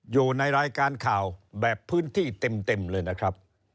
อยู่ในรายการข่าวแบบพื้นที่เต็มเลยนะครับ